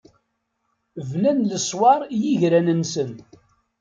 Bnan leṣwaṛ i yigran-nsen.